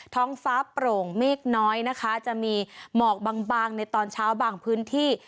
ท้องฟ้าโปร่งเมฆน้อยนะคะจะมีหมอกบางบางในตอนเช้าบางพื้นที่